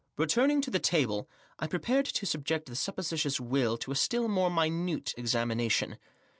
Returning to the table, I prepared to subject the supposititious will to a still mote minute examination.